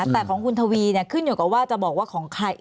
แต่ของคุณทวีขึ้นอยู่กับว่าจะบอกว่าของใคร